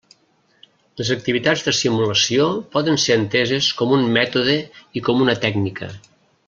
Les activitats de simulació poden ser enteses com un mètode i com una tècnica.